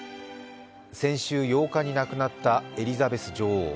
先週８日に亡くなったエリザベス女王。